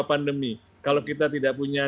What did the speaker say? pandemi kalau kita tidak punya